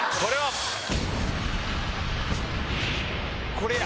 これや！